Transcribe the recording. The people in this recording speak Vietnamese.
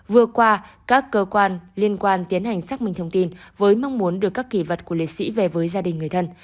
vừa qua các cơ quan liên quan tiến hành xác minh thông tin với mong muốn được các kỳ vật của liệt sĩ về với gia đình người thân